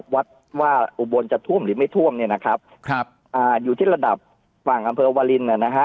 วัดว่าอุบลจะท่วมหรือไม่ท่วมเนี่ยนะครับครับอ่าอยู่ที่ระดับฝั่งอำเพอร์วาลินเนี่ยนะฮะ